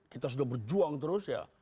kita sudah berjuang terus ya